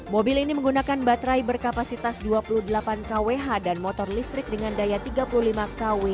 mobil ini menggunakan baterai berkapasitas dua puluh delapan kwh dan motor listrik dengan daya tiga puluh lima kw